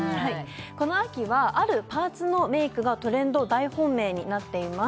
この秋はあるパーツのメイクがトレンド大本命になっています